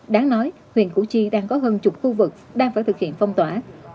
đáng nói huyện củ chi đang có hơn chục khu vực đang phải thực hiện phong tỏa